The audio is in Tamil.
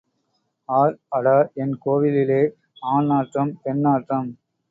ஆர் அடா என் கோவிலிலே ஆண் நாற்றம், பெண் நாற்றம்?